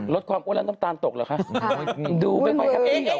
ลดความอ้วนแล้วน้ำตาลตกหรือคะ